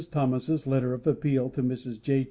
Thomas's letter of appeal to Mrs. J.